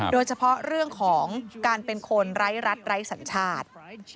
โดยเฉพาะเรื่องของการเป็นคนไร้รัฐไร้สัญชาติ